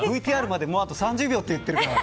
ＶＴＲまでもうあと３０秒って言ってるけど。